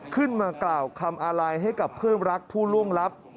ขึ้นมากล่าวคำอาลัยให้กับเพื่อนรักผู้ล่วงลับ